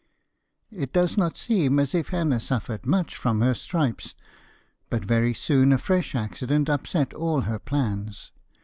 It does not seem as if Hannah suffered much from her stripes, but very soon a fresh accident upset all her plans.